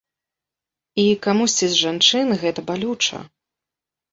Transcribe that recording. І камусьці з жанчын гэта балюча.